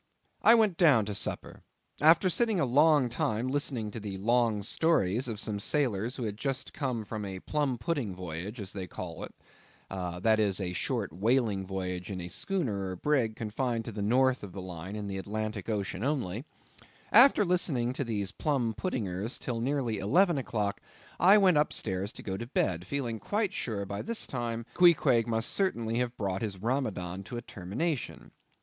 I went down to supper. After sitting a long time listening to the long stories of some sailors who had just come from a plum pudding voyage, as they called it (that is, a short whaling voyage in a schooner or brig, confined to the north of the line, in the Atlantic Ocean only); after listening to these plum puddingers till nearly eleven o'clock, I went up stairs to go to bed, feeling quite sure by this time Queequeg must certainly have brought his Ramadan to a termination.